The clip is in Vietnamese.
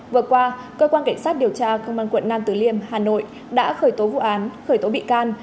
vừa qua cơ quan cảnh sát điều tra công an quận nam tử liêm hà nội đã khởi tố vụ án khởi tố bị can